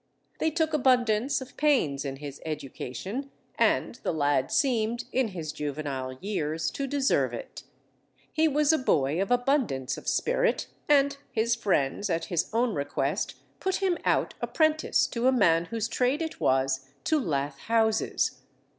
They took abundance of pains in his education, and the lad seemed in his juvenile years to deserve it; he was a boy of abundance of spirit, and his friends at his own request put him out apprentice to a man whose trade it was to lath houses.